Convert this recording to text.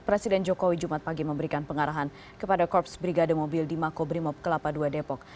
presiden jokowi jumat pagi memberikan pengarahan kepada korps brigade mobil di makobrimob kelapa ii depok